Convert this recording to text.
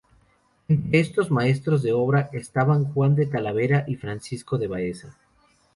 Entre estos maestros de obra estaban Juan de Talavera y Francisco de Baeza.